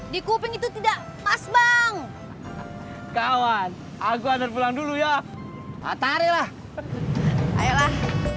di kuping itu tidak pas bang kawan aku harus pulang dulu ya tari lah ayolah